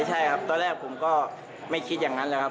ใช่ครับตอนแรกผมก็ไม่คิดอย่างนั้นแหละครับ